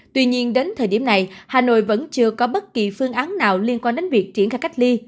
tuy nhiên đến thời điểm này hà nội vẫn chưa có bất kỳ phương án nào liên quan đến việc triển khai cách ly